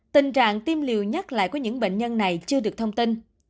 tình trạng tiêm liều nhắc lại của những bệnh nhân này chưa được thông tin